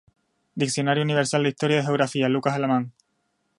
Diccionario universal de historia y de Geografía, Lucas Alamán